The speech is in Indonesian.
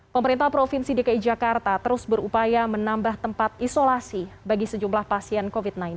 pemerintah provinsi dki jakarta terus berupaya menambah tempat isolasi bagi sejumlah pasien covid sembilan belas